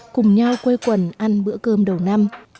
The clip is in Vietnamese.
cùng nhau quây quần ăn bữa cơm đầu năm